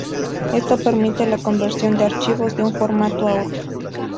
Esto permite la conversión de archivos de un formato a otro.